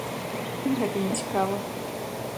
Ім гэта не цікава.